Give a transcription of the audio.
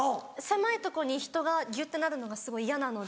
狭いとこに人がギュってなるのがすごい嫌なので。